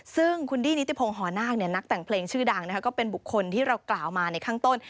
ซึ่งคุณดี้นิติพงศ์หอนาคนักแต่งเพลงชื่อดังก็เป็นบุคคลที่เรากล่าวมาในข้างต้น